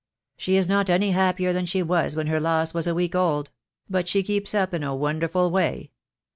"She is not any happier than she was when her loss was a week old; but she keeps up in a wonderful way.